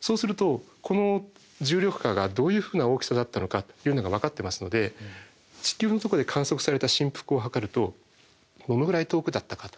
そうするとこの重力波がどういうふうな大きさだったのかというのがわかってますので地球のとこで観測された振幅を測るとどのぐらい遠くだったかということがわかる。